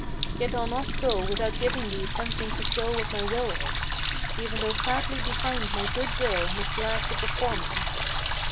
Yet I'll not go without giving thee something to show what my will is, Even though sadly behind my good will must lag the performance."